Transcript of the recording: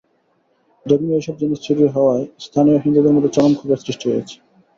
ধর্মীয় এসব জিনিস চুরি হওয়ায় স্থানীয় হিন্দুদের মধ্যে চরম ক্ষোভের সৃষ্টি হয়েছে।